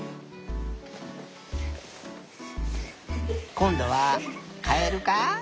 こんどはカエルか。